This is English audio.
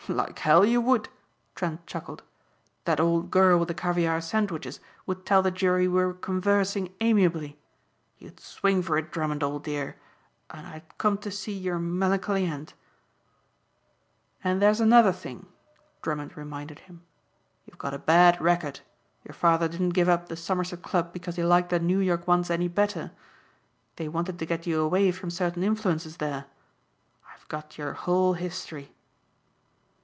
"Like hell you would," Trent chuckled, "that old girl with the caviare sandwiches would tell the jury we were conversing amiably. You'd swing for it, Drummond, old dear, and I'd come to see your melancholy end." "And there's another thing," Drummond reminded him, "you've got a bad record. Your father didn't give up the Somerset Club because he liked the New York ones any better. They wanted to get you away from certain influences there. I've got your whole history."